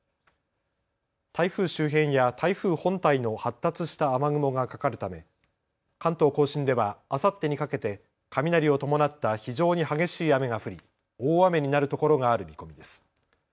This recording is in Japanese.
台風周辺や台風本体の発達した雨雲がかかるため関東甲信ではあさってにかけて雷を伴った非常に激しい雨が降り大雨になる所がある見込みです。